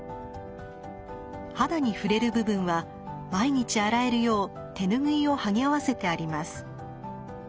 肌に触れる部分は毎日洗えるよう手ぬぐいをはぎ合わせてあります。